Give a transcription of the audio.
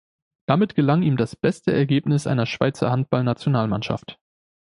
Damit gelang ihm das beste Ergebnis einer Schweizer Handballnationalmannschaft.